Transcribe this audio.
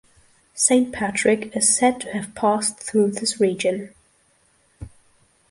Saint Patrick is said to have passed through this region.